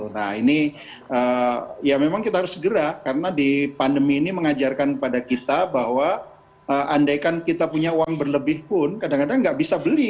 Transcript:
nah ini ya memang kita harus segera karena di pandemi ini mengajarkan kepada kita bahwa andaikan kita punya uang berlebih pun kadang kadang nggak bisa beli